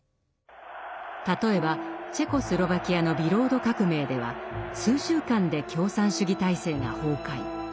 例えばチェコスロバキアのビロード革命では数週間で共産主義体制が崩壊。